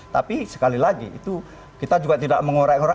tapi sekali lagi itu kita juga tidak mengorek ngoreng